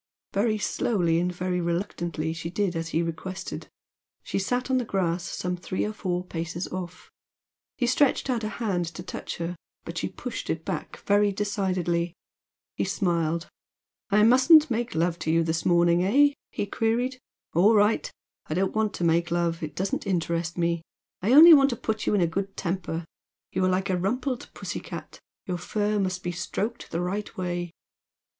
Very slowly and very reluctantly she did as he requested. She sat on the grass some three or four paces off. He stretched out a hand to touch her, but she pushed it back very decidedly. He smiled. "I mustn't make love to you this morning, eh?" he queried. "All right! I don't want to make love it doesn't interest me I only want to put you in a good temper! You are like a rumpled pussy cat your fur must be stroked the right way."